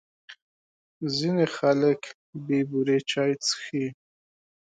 ځینې خلک بې بوري چای څښي.